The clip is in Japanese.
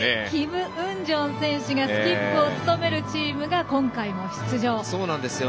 キム・ウンジョン選手がスキップを務めるチームが今回も出場。